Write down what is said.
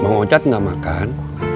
mau ngocat enggak makan